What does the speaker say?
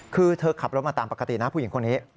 คือเธอขับรถมาตามปกตินะผู้หญิงคนนี้